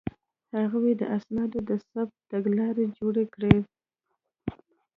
هغوی د اسنادو د ثبت تګلارې جوړې کړې.